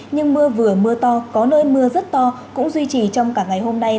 nhưng mưa vừa mưa to có nơi mưa rất to cũng duy trì trong cả ngày hôm nay